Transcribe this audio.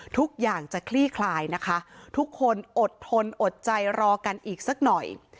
ทุกอย่างจะคลี่คลายนะคะทุกคนอดทนอดใจรอกันอีกสักหน่อย